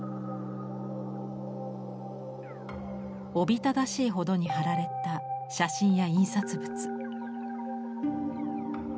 おびただしいほどに貼られた写真や印刷物。